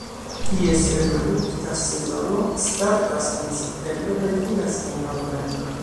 Ties reprodukta sezono startas en septembro kaj finas en novembro.